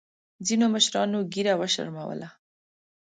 ځینو مشرانو ګیره وشرمولـه.